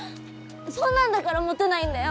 そんなんだからモテないんだよ。